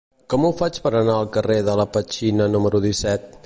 Com ho faig per anar al carrer de la Petxina número disset?